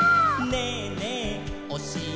「ねえねえおしえて」